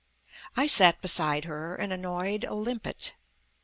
I sat beside her and annoyed a limpet.